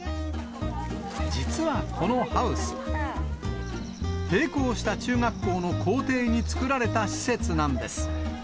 実はこのハウス、閉校した中学校の校庭に作られた施設なんです。